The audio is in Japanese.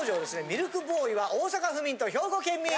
ミルクボーイは大阪府民と兵庫県民！